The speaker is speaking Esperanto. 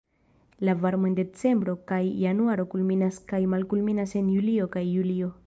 La varmo en decembro kaj januaro kulminas kaj malkulminas en julio kaj julio.